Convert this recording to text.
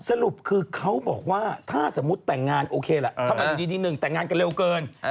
สรุปคือเขาบอกว่าถ้าสมมุติแต่งงานโอเคล่ะทำไมอยู่ดีหนึ่งแต่งงานกันเร็วเกิน